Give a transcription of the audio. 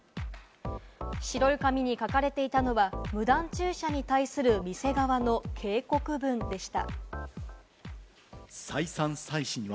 白い紙に書かれていたのは無断駐車に対する店側の警告文でした。